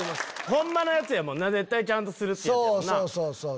ホンマのやつやもんなちゃんとするってやつやもんな。